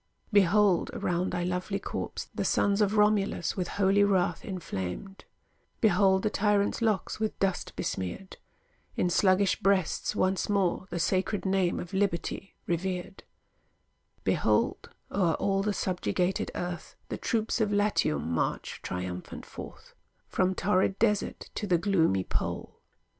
Behold, around thy lovely corpse, the sons Of Romulus with holy wrath inflamed; Behold the tyrants locks with dust besmeared; In sluggish breasts once more The sacred name of Liberty revered; Behold o'er all the subjugated earth, The troops of Latium march triumphant forth, From torrid desert to the gloomy pole.